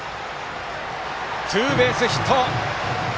ツーベースヒット。